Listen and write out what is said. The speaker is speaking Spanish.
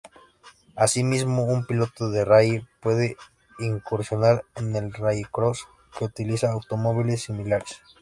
Asimismo, un piloto de rally puede incursionar en el rallycross, que utiliza automóviles similares.